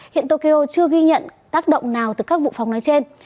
hiện tokyo chưa ghi nhận tác động nào từ các vụ phóng nói trên